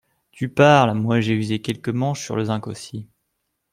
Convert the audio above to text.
Tu parles ! Moi, j’ai usé quelques manches sur le zinc aussi.